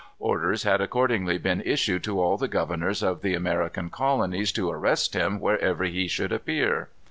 Orders had accordingly been issued to all the governors of the American colonies to arrest him wherever he should appear.